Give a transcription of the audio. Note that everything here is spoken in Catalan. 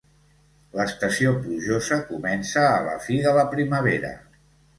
L'estació plujosa comença a la fi de la primavera.